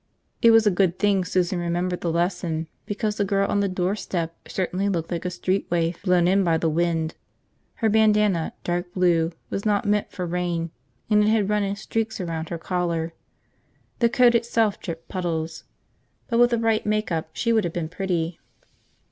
It was a good thing Susan remembered the lesson because the girl on the doorstep certainly looked like a street waif blown in by the wind. Her bandana, dark blue, was not meant for rain and it had run in streaks around her collar. The coat itself dripped puddles. But with the right make up she would have been pretty.